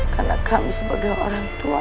karena kami sebagai orang tua